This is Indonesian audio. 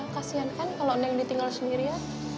kasian kan kalau neng ditinggal sendiri ya